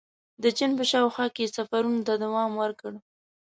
• د چین په شاوخوا کې یې سفرونو ته دوام ورکړ.